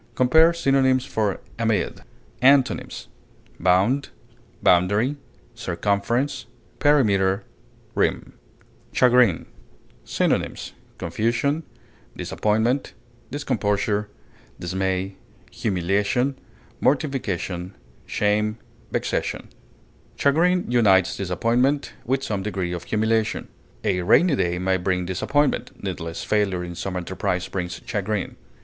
Compare synonyms for AMID. Antonyms: bound, boundary, circumference, perimeter, rim. CHAGRIN. Synonyms: confusion, discomposure, humiliation, shame, disappointment, dismay, mortification, vexation. Chagrin unites disappointment with some degree of humiliation. A rainy day may bring disappointment; needless failure in some enterprise brings chagrin.